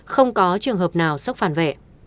không có trường hợp nào sốc phản vệ